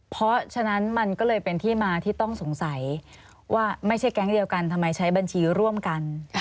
เพราะฉะนั้นมันก็เลยเป็นที่มาที่ต้องสงสัยว่าไม่ใช่แก๊งเดียวกันทำไมใช้บัญชีร่วมกัน